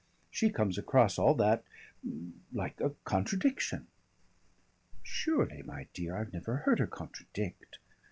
She comes across all that like a contradiction." "Surely, my dear! I've never heard her contradict."